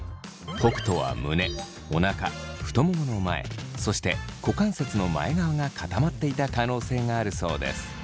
北斗は胸おなか太ももの前そして股関節の前側が固まっていた可能性があるそうです。